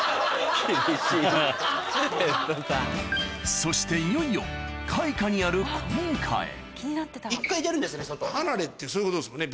そしていよいよ階下にある古民家へ離れってそういうことですもんね